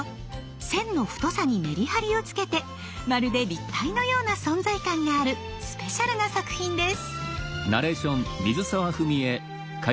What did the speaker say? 線の太さにメリハリをつけてまるで立体のような存在感があるスペシャルな作品です。